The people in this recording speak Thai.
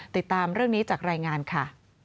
ติดตามเรื่องนี้จากรายงานค่ะ